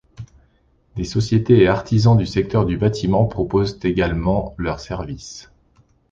Des sociétés et artisans du secteur du bâtiment proposent également leur service.